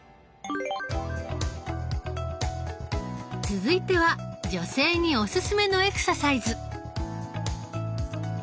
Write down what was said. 続いては女性におすすめのエクササイズ！